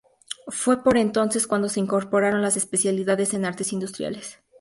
Fue por entonces cuando se incorporaron las especialidades en artes industriales.